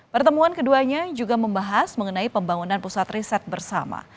pertemuan keduanya juga membahas mengenai pembangunan pusat riset bersama